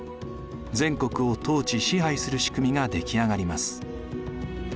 全国を統治支配するしくみが出来上がります。